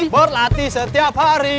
berlatih setiap hari